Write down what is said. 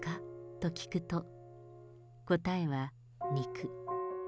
と聞くと、答えは肉！